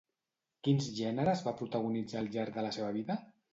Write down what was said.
Quins gèneres va protagonitzar al llarg de la seva vida?